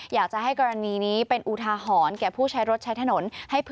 อยากจะให้กรณีนี้เป็นอุทาหรณ์แก่ผู้ใช้รถใช้ถนน